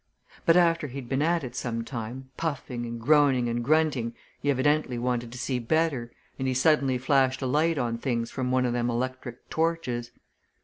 But after he'd been at it some time, puffing and groaning and grunting, he evidently wanted to see better, and he suddenly flashed a light on things from one o' them electric torches.